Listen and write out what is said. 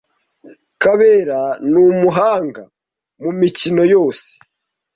KABERA ni umuhanga mumikino yose.